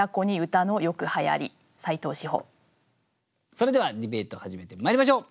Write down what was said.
それではディベートを始めてまいりましょう。